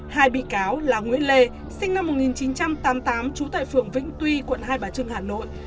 hai bị cáo là nguyễn lê sinh năm một nghìn chín trăm tám mươi tám trú tại phường vĩnh tuy quận hai bà trưng hà nội